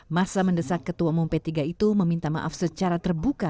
masa mendesak ketua umum p tiga itu meminta maaf secara terbuka